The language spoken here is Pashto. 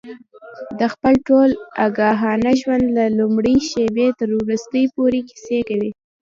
د خپل ټول آګاهانه ژوند له لومړۍ شېبې تر وروستۍ پورې کیسې کوي.